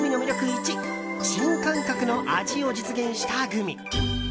１新感覚の味を実現したグミ。